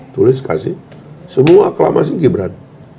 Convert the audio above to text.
tulis kasih semua aklamasi gibran